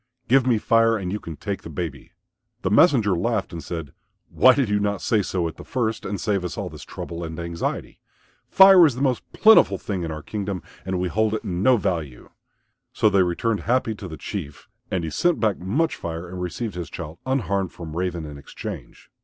Give me Fire and you can take the baby." The messenger laughed and said, "Why did you not say so at first and save us all this trouble and anxiety? Fire is the most plentiful thing in our kingdom, and we hold it in no value." So they returned happy to the Chief. And he sent back much Fire and received his child unharmed from Raven in exchange.